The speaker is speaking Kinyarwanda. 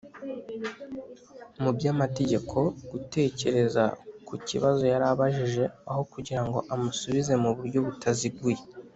mu by Amategeko gutekereza ku kibazo yari abajije aho kugira ngo amusubize mu buryo butaziguye